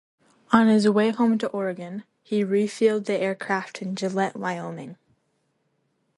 On his way home to Oregon, he refueled the aircraft in Gillette, Wyoming.